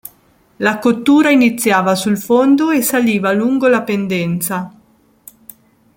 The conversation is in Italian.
La cottura iniziava sul fondo e saliva lungo la pendenza.